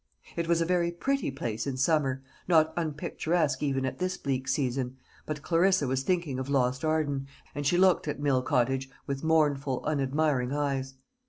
It was a very pretty place in summer, not unpicturesque even at this bleak season; but Clarissa was thinking of lost Arden, and she looked at Mill Cottage with mournful unadmiring eyes.